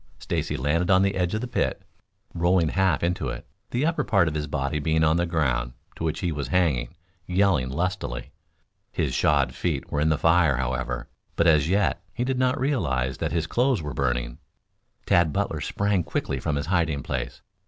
Stacy landed on the edge of the pit, rolling half into it, the upper part of his body being on the ground to which he was hanging, yelling lustily. His shod feet were in the fire, however, but as yet he did not realize that his clothes were burning. Tad Butler sprang quickly from his hiding place.